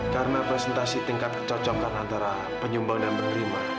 karena presentasi tingkat kecocokan antara penyumbang dan penerima